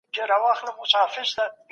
ایا د تحلیل لپاره دلایل لرئ؟